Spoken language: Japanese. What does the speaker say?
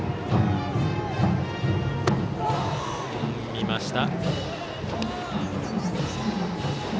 見ました。